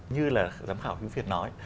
như là giám khảo huyễn úc viện nói